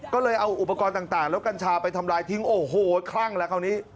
ก็เลยเอาอุปกรณ์ต่างแล้วกัญชาไปทำลายทิ้งโอ้โหคลั่งแล้วคราวนี้